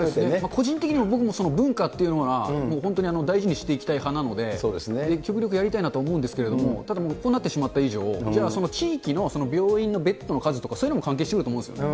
個人的にも僕も文化っていうものは、本当に大事にしていきたい派なので、極力やりたいなと思うんですけれども、ただ、もうこうなってしまった以上、じゃあその地域の病院のベッドの数とか、そういうのも関係してくると思うんですよね。